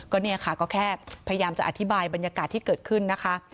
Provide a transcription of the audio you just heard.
ก็เนี่ยค่ะก็แค่พยายามจะอธิบายบรรยากาศที่เกิดขึ้นนะคะ